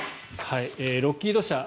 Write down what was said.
ロッキード社。